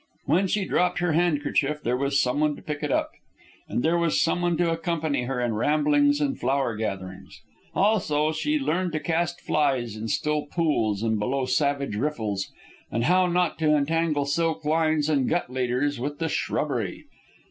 When she dropped her handkerchief, there was some one to pick it up. And there was some one to accompany her in ramblings and flower gatherings. Also, she learned to cast flies in still pools and below savage riffles, and how not to entangle silk lines and gut leaders with the shrubbery.